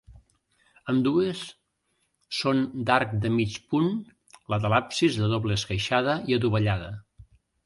Ambdues són d'arc de mig punt, la de l'absis de doble esqueixada i adovellada.